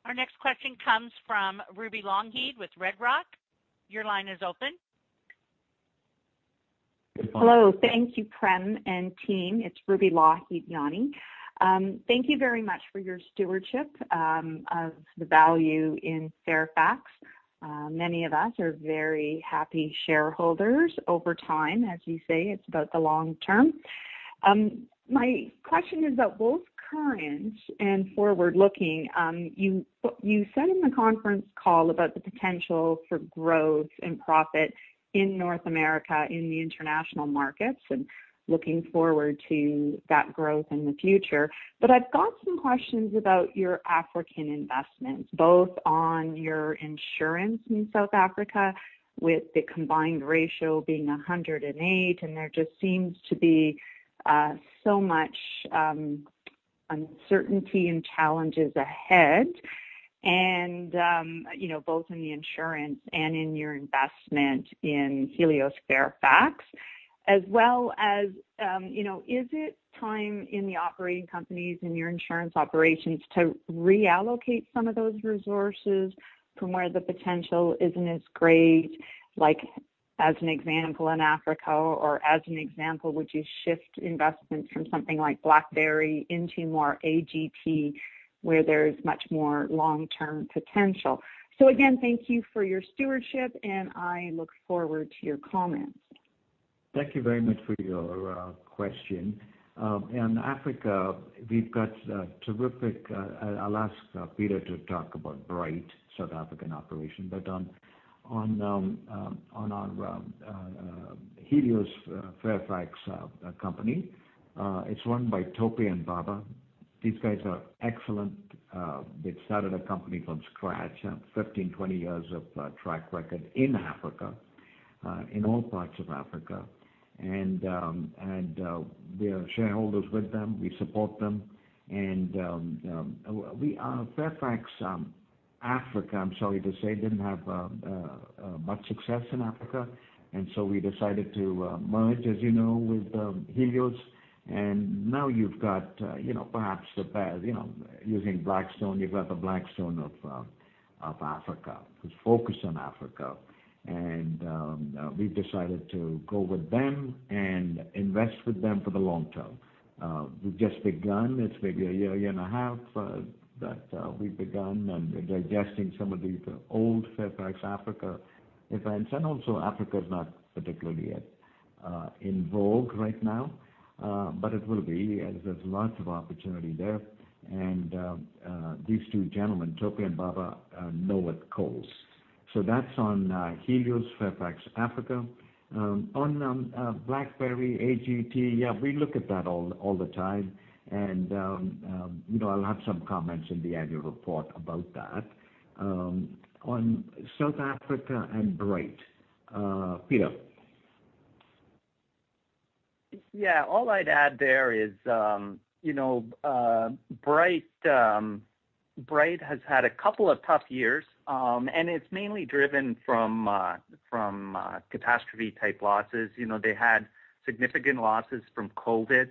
Our next question comes from Ruby Lougheed with Red Rock. Your line is open. Good morning. Hello. Thank you, Prem and team. It's Ruby Lougheed Yawney. Thank you very much for your stewardship of the value in Fairfax. Many of us are very happy shareholders over time. As you say, it's about the long term. My question is about both current and forward-looking. You, you said in the conference call about the potential for growth and profit in North America in the international markets and looking forward to that growth in the future. I've got some questions about your African investments, both on your insurance in South Africa with the combined ratio being 108, and there just seems to be so much uncertainty and challenges ahead. You know, both in the insurance and in your investment in Helios Fairfax. As well as, you know, is it time in the operating companies, in your insurance operations to reallocate some of those resources from where the potential isn't as great, like as an example in Africa or as an example, would you shift investments from something like BlackBerry into more AGT where there's much more long-term potential? Again, thank you for your stewardship, and I look forward to your comments. Thank you very much for your question. In Africa, we've got terrific, I'll ask Peter to talk about Bryte South African operation. On our Helios Fairfax company, it's run by Tope and Baba. These guys are excellent. They've started a company from scratch, 15, 20 years of track record in Africa, in all parts of Africa. We are shareholders with them. We support them. We, Fairfax Africa, I'm sorry to say, didn't have much success in Africa. We decided to merge, as you know, with Helios. Now you've got, you know, perhaps the best, you know, using Blackstone, you've got the Blackstone of Africa. It's focused on Africa. We've decided to go with them and invest with them for the long term. We've just begun. It's maybe a year and a half that we've begun and digesting some of the old Fairfax Africa events. Also, Africa is not particularly yet in vogue right now, but it will be as there's lots of opportunity there. These two gentlemen, Tope and Baba, know what it calls. That's on Helios Fairfax Africa. On BlackBerry, AGT, yeah, we look at that all the time. You know, I'll have some comments in the annual report about that. On South Africa and Bryte. Peter? Yeah. All I'd add there is, you know, Bryte has had a couple of tough years, it's mainly driven from catastrophe-type losses. You know, they had significant losses from COVID,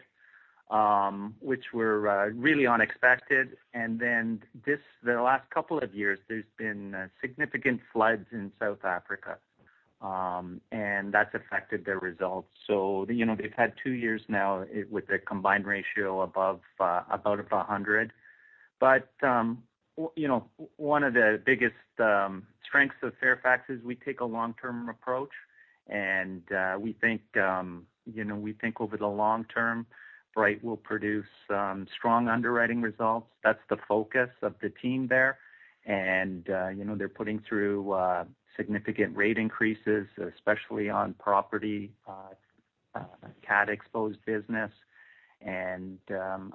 which were really unexpected. The last couple of years, there's been significant floods in South Africa, that's affected their results. You know, they've had two years now with a combined ratio above about 100. You know, one of the biggest strengths of Fairfax is we take a long-term approach, we think, you know, over the long term, Bryte will produce strong underwriting results. That's the focus of the team there. You know, they're putting through significant rate increases, especially on property cat-exposed business.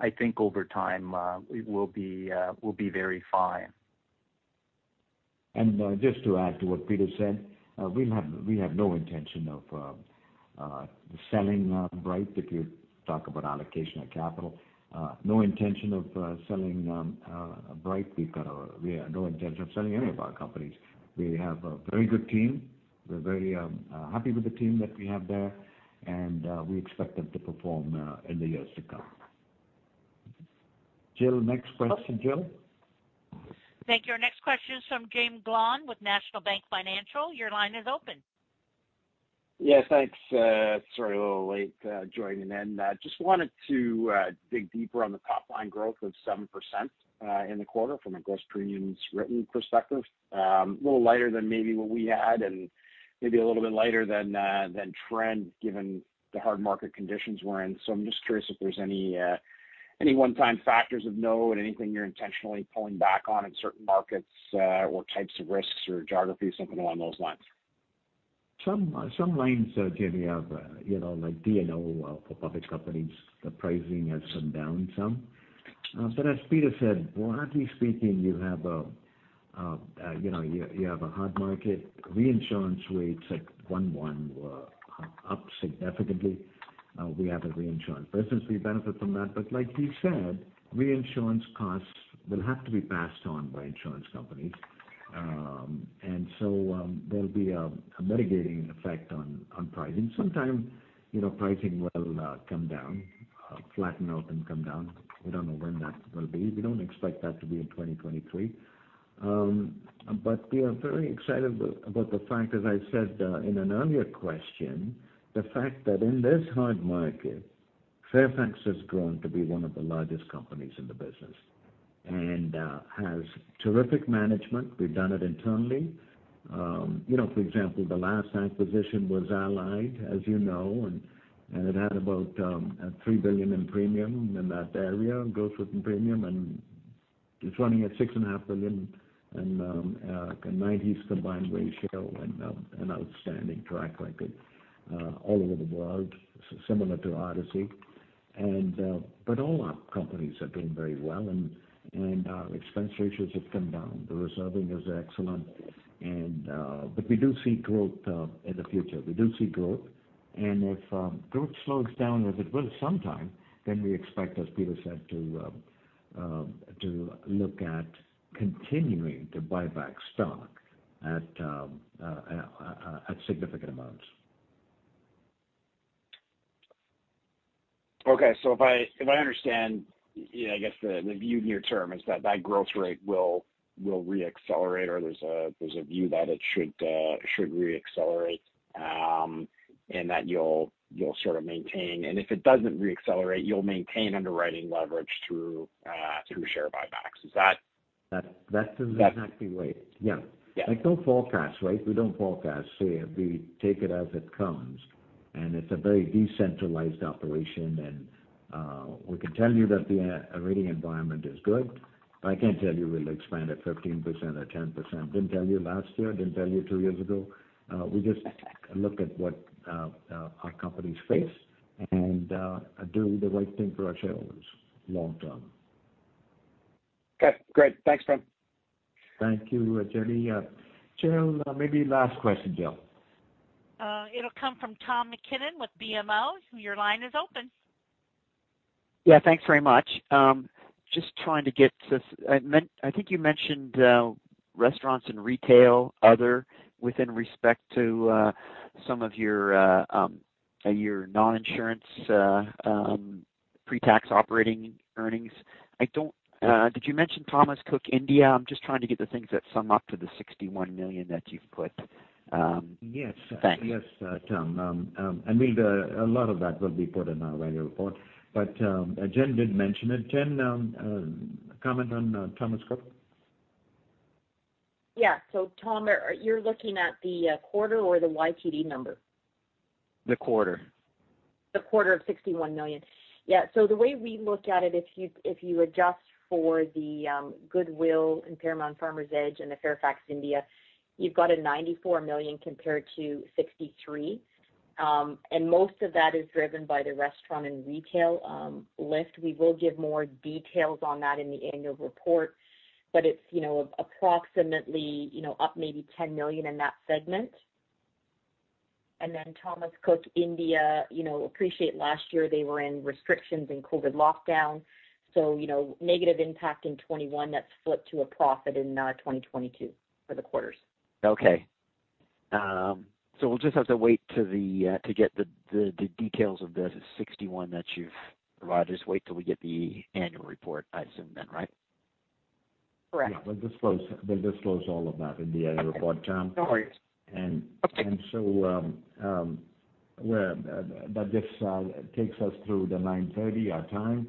I think over time, we will be, we'll be very fine. Just to add to what Peter said, we have no intention of selling Bryte if you talk about allocation of capital. No intention of selling Bryte. We have no intention of selling any of our companies. We have a very good team. We're very happy with the team that we have there, and we expect them to perform in the years to come. Jill, next question, Jill. Thank you. Our next question is from Jaeme Gloyn with National Bank Financial. Your line is open. Yes, thanks. Sorry, a little late, joining in. Just wanted to dig deeper on the top line growth of 7% in the quarter from a gross premiums written perspective. A little lighter than maybe what we had and maybe a little bit lighter than trend, given the hard market conditions we're in. I'm just curious if there's any one-time factors of no and anything you're intentionally pulling back on in certain markets, or types of risks or geographies, something along those lines? Some lines, Jaeme, have, you know, like D&O for public companies, the pricing has come down some. As Peter said, broadly speaking, you have, you know, a hard market. Reinsurance rates at 1/1 were up significantly. We have a reinsurance business, we benefit from that. Like he said, reinsurance costs will have to be passed on by insurance companies. There'll be a mitigating effect on pricing. Sometime, you know, pricing will come down, flatten out and come down. We don't know when that will be. We don't expect that to be in 2023. We are very excited about the fact, as I said, in an earlier question, the fact that in this hard market, Fairfax has grown to be one of the largest companies in the business and has terrific management. We've done it internally. You know, for example, the last acquisition was Allied, as you know, and it had about $3 billion in premium in that area, growth with premium, and it's running at $6.5 billion in like a 90s combined ratio and an outstanding track record all over the world, similar to Odyssey. All our companies are doing very well and expense ratios have come down. The reserving is excellent. We do see growth in the future. We do see growth. If growth slows down, as it will sometime, then we expect, as Peter said, to look at continuing to buy back stock at significant amounts. If I understand, yeah, I guess the view near term is that that growth rate will reaccelerate or there's a view that it should reaccelerate, and that you'll sort of maintain. If it doesn't reaccelerate, you'll maintain underwriting leverage through share buybacks. Is that? That's the exactly right. Yeah. Like, no forecast, right? We don't forecast. We take it as it comes, and it's a very decentralized operation. We can tell you that the rating environment is good, but I can't tell you we'll expand at 15% or 10%. Didn't tell you last year, didn't tell you two years ago. We just look at what our companies face and do the right thing for our shareholders long term. Okay, great. Thanks, Prem. Thank you, Jaeme. Jill, maybe last question, Jill. It'll come from Tom MacKinnon with BMO. Your line is open. Yeah, thanks very much. I think you mentioned, restaurants and retail, other within respect to some of your non-insurance pre-tax operating earnings. I don't, did you mention Thomas Cook India? I'm just trying to get the things that sum up to the $61 million that you've put. Yes. Thanks. Yes, Tom. I mean, a lot of that will be put in our annual report, but Jen did mention it. Jen comment on Thomas Cook. Yeah. Tom, are you're looking at the quarter or the YTD number? The quarter. The quarter of $61 million. Yeah. The way we look at it, if you adjust for the goodwill impairment Farmers Edge and the Fairfax India, you've got a $94 million compared to $63 million. Most of that is driven by the restaurant and retail lift. We will give more details on that in the annual report, but it's, you know, approximately, you know, up maybe $10 million in that segment. Then Thomas Cook India, you know, appreciate last year they were in restrictions in COVID lockdown. Negative impact in 2021 that's flipped to a profit in 2022 for the quarters. Okay. We'll just have to wait to get the details of the 61 that you've provided. Just wait till we get the annual report, I assume then, right? Correct. Yeah. We'll disclose all of that in the annual report, Tom. No worries. And. Okay. That just takes us through the 9:30 our time.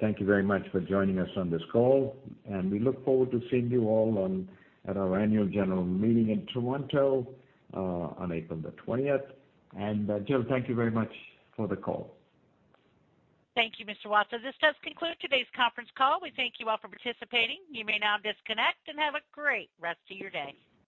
Thank you very much for joining us on this call, and we look forward to seeing you all at our annual general meeting in Toronto on April the 20th. Jill, thank you very much for the call. Thank you, Mr. Watsa. This does conclude today's conference call. We thank you all for participating. You may now disconnect and have a great rest of your day.